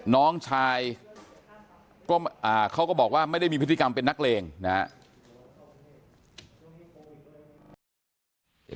น้องชายเขาก็บอกว่าไม่ได้มีพฤติกรรมเป็นนักเลงนะครับ